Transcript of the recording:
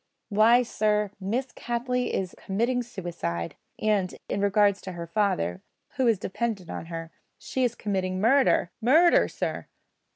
Why, sir, Miss Cattley is committing suicide; and, in regard to her father, who is dependent on her, she is committing murder murder, sir!"